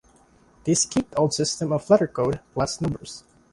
These keep the old system of letter code plus numbers.